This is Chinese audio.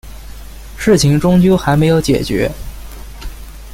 事情终究还没解决